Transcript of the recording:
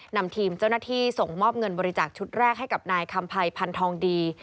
นำทีมเจ้าหน้าที่ส่งมอบเงินบริจาคชุดแรกให้กับนายคำภัยพันธองดี